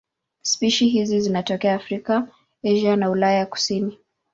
Spishi hizi zinatokea Afrika, Asia na Ulaya ya kusini.